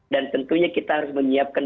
dan tentunya kita harus menyiapkan